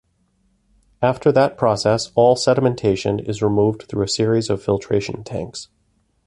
After that process all sedimentation is removed through a series of filtration tanks.